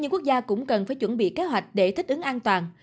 nhưng quốc gia cũng cần phải chuẩn bị kế hoạch để thích ứng an toàn